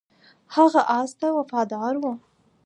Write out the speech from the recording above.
هغه اس ته وفادار و.